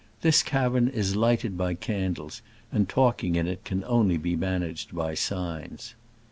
This cavern is lighted by can dles, and talking in it can only be man aged by signs.